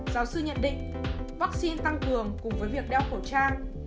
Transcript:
giáo sư nhận định vaccine tăng cường cùng với việc đeo khẩu trang